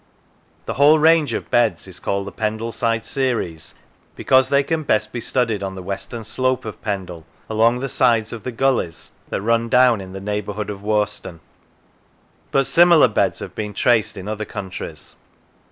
The whole range of beds is called the Pendleside series, because they can best be studied on the western slope of Pendle, along the sides of the gullies that 214 Pendle run down in the neighbourhood of Worston; but similar beds have been traced in other countries.